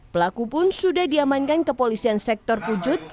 pelaku pun sudah diamankan kepolisian sektor pujut